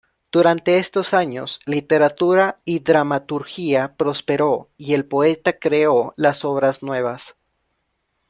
Durante estos años literatura y dramaturgia prosperó y el poeta creó las obras nuevas.